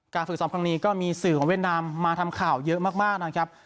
ฝึกซ้อมครั้งนี้ก็มีสื่อของเวียดนามมาทำข่าวเยอะมากนะครับ